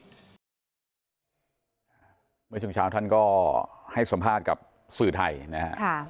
เมื่อช่วงเช้าท่านก็ให้สัมภาษณ์กับสื่อไทยนะฮะ